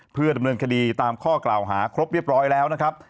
เพื่อดำเนินคดีตามข้อกล่าวหาครบเรียบร้อยแล้วนะครับ